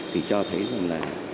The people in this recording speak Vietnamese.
thì cho thấy rằng là